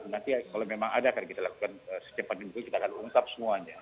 nanti kalau memang ada kita lakukan setiap pagi minggu kita akan mengungkap semuanya